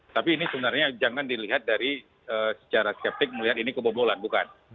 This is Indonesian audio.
tapi ini sebenarnya jangan dilihat dari secara skeptik melihat ini kebobolan bukan